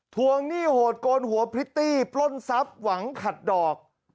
วงหนี้โหดโกนหัวพริตตี้ปล้นทรัพย์หวังขัดดอก